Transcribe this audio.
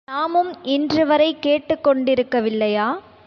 நாமும் இன்றுவரை கேட்டுக்கொண்டிருக்க வில்லையா?